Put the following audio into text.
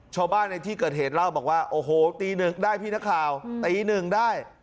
ชาวบ้านในที่เกิดเหตุเล่าบอกว่าโอ้โหตีหนึ่งได้พี่นักข่าวตีหนึ่งได้